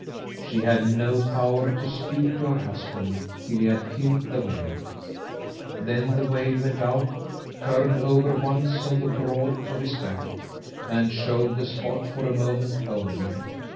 She had no power to speak to her husband till he had killed the whale. Then the whale went out, turned over once on the broad of his back, and showed the spot for a moment only.